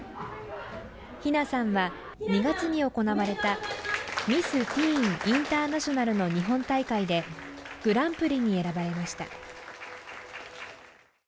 陽菜さんは２月に行われたミス・ティーン・インターナショナルの日本大会でグランプリに選ばれました。